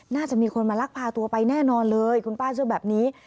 น่าจะมีคนมาลักพาตัวไปแน่นอนเลยคุณป้าเชื่อแบบนี้